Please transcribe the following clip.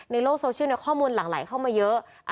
ในโลกโซเชียลข้อมูลหลังไหลเข้ามาเยอะ